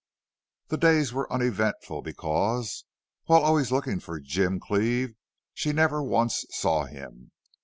The days were uneventful because, while always looking for Jim Cleve, she never once saw him.